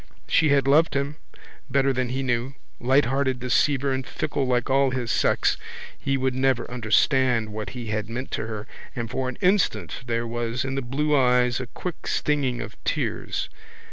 She had loved him better than he knew. Lighthearted deceiver and fickle like all his sex he would never understand what he had meant to her and for an instant there was in the blue eyes a quick stinging of tears.